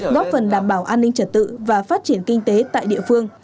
góp phần đảm bảo an ninh trật tự và phát triển kinh tế tại địa phương